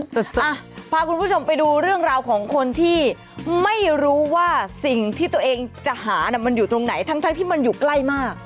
พาคุณผู้ชมไปดูเรื่องราวของคนที่ไม่รู้ว่าสิ่งที่ตัวเองจะหาน่ะมันอยู่ตรงไหนทั้งที่มันอยู่ใกล้มาก